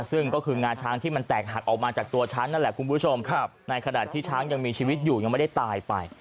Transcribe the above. ซึ่งก็คืองาช้างที่มันแตกหักออกมาจากตัวช้างนั่นแหละคุณผู้ชมในขณะที่ช้างยังมีชีวิตอยู่ยังไม่ได้ตายไป